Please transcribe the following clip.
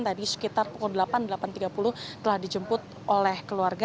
tadi sekitar pukul delapan delapan tiga puluh telah dijemput oleh keluarga